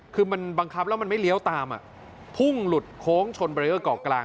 คือมันบังคับแล้วมันไม่เลี้ยวตามพุ่งหลุดโค้งชนเรอร์เกาะกลาง